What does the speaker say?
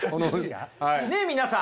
ねっ皆さん。